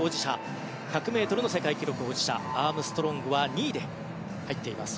１００ｍの世界記録保持者のアームストロングは２位に入っています。